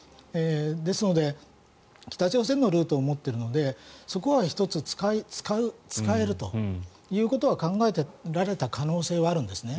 ですので北朝鮮のルートを持っているのでそこは１つ使えるということは考えられた可能性はあるんですね。